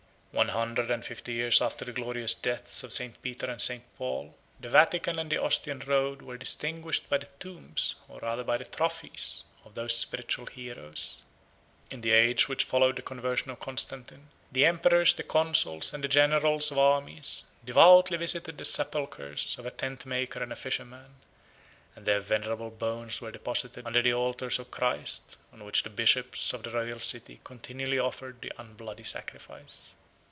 One hundred and fifty years after the glorious deaths of St. Peter and St. Paul, the Vatican and the Ostian road were distinguished by the tombs, or rather by the trophies, of those spiritual heroes. 69 In the age which followed the conversion of Constantine, the emperors, the consuls, and the generals of armies, devoutly visited the sepulchres of a tentmaker and a fisherman; 70 and their venerable bones were deposited under the altars of Christ, on which the bishops of the royal city continually offered the unbloody sacrifice.